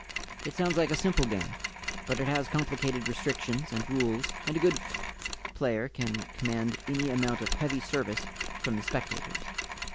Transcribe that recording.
It sounds like a simple game, but it has complicated restrictions and rules, and a good phph player can command any amount of heavy service from the spectators.